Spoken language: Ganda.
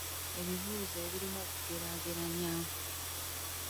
Ebibuuzo ebirimu okugeraageranya.